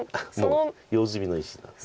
用済みの石なんです。